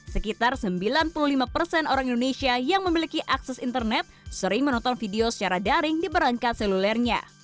sekitar sembilan puluh lima persen orang indonesia yang memiliki akses internet sering menonton video secara daring di perangkat selulernya